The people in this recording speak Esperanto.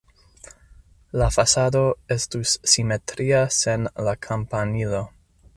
La fasado estus simetria sen la kampanilo.